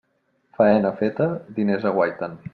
Faena feta, diners aguaiten.